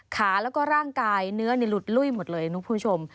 ขาแล้วก็ร่างกายเนื้อนี่หลุดลุ้ยหมดเลยนะคุณผู้ชม